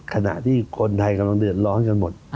ขณะที่คนไทยกำลังเดือดร้อนกันหมด